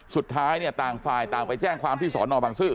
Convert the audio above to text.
สุดท้ายเนี่ยต่างฝ่ายต่างไปแจ้งความที่สอนอบังซื้อ